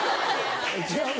違うの？